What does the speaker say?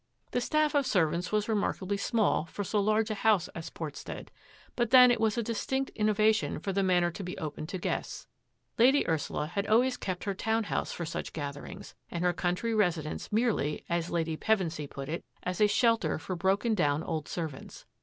The staff of servants was remarkably small for so large a house as Portstead, but then it was a distinct innovation for the Manor to be open to guests. Lady Ursula had always kept her town house for such gatherings, and her country resi dence merely, as Lady Pevensy put it, as a shelter for broken down old servants.